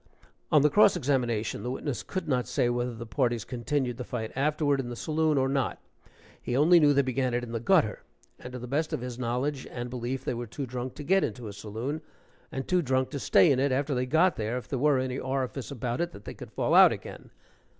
(On the cross examination, the witness could not say whether the parties continued the fight afterward in the saloon or not he only knew they began it in the gutter, and to the best of his knowledge and belief they were too drunk to get into a saloon, and too drunk to stay in it after they got there if there were any orifice about it that they could fall out again.